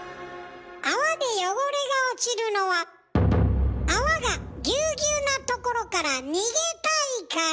泡で汚れが落ちるのは泡がぎゅうぎゅうなところから逃げたいから。